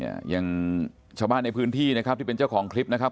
อย่างชาวบ้านในพื้นที่นะครับที่เป็นเจ้าของคลิปนะครับ